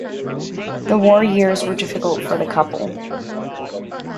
The war years were difficult for the couple.